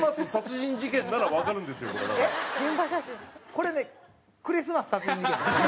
これね「クリスマス殺人事件」です。